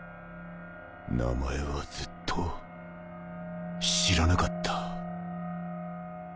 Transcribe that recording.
名前はずっと知らなかった。